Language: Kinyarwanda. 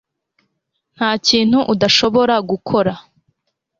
nta kintu adashobora gukora